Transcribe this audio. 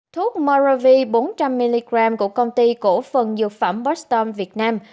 thuốc moravir bốn trăm linh mg của công ty cổ phần dược phẩm boston việt nam